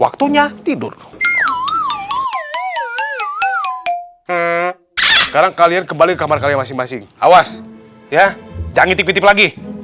waktunya tidur sekarang kalian kembali kembali masing masing awas ya jangan ngintip ngintip lagi